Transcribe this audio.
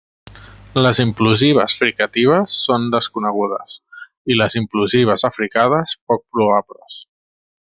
Les implosives fricatives són desconegudes, i les implosives africades poc probables.